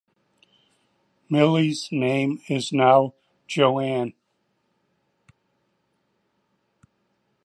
Millie's name is now Joanne.